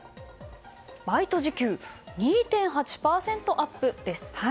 バイト時給２．８％アップです。